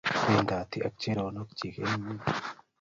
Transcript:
Pendoti ak choronok chik eng' yun